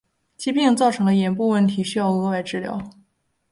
疾病造成的眼部问题需额外治疗。